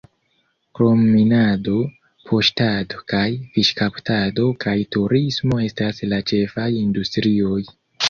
Krom minado, paŝtado kaj fiŝkaptado kaj turismo estas la ĉefaj industrioj.